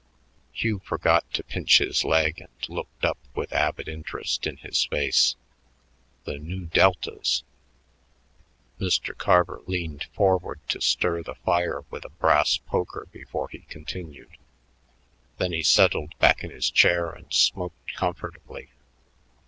Hugh forgot to pinch his leg and looked up with avid interest in his face. The Nu Deltas! Mr. Carver leaned forward to stir the fire with a brass poker before he continued. Then he settled back in his chair and smoked comfortably.